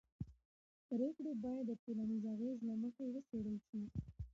پرېکړې باید د ټولنیز اغېز له مخې وڅېړل شي